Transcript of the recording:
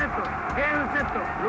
ゲームセット！